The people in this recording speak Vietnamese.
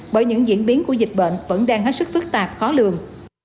bởi những diễn biến của dịch bệnh vẫn đang hết sức phức tạp khó lường